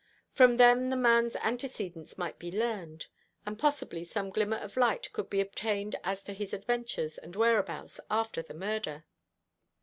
From them the man's antecedents might be learned; and possibly some glimmer of light could be obtained as to his adventures and whereabouts after the murder.